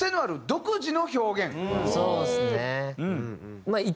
そうですね。